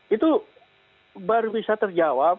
itu baru bisa terjawab